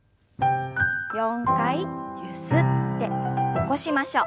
４回ゆすって起こしましょう。